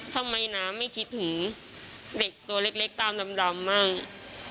ทำไมน้าไม่คิดถึงเด็กตัวเล็กตามดำมั่ง